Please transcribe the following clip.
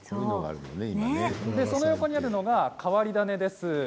その横にあるのが変わり種です。